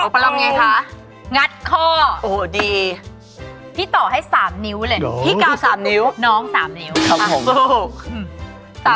ประลองยังไงคะงัดคอพี่ต่อให้๓นิ้วเลยพี่ก้าว๓นิ้วน้อง๓นิ้วสู้